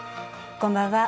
こんばんは。